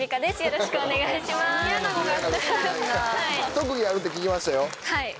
特技あるって聞きましたよ。